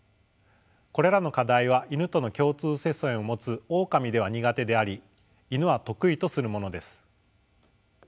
これらの課題はイヌとの共通祖先を持つオオカミでは苦手でありイヌは得意とするものです。